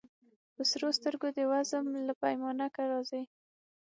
په سرو سترګو دي وزم له پیمانه که راځې